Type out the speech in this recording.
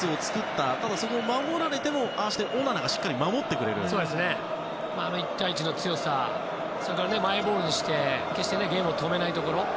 ただ、そこを守られてもああしてオナナがしっかり１対１の強さそれからマイボールにして決してゲームを止めないところ。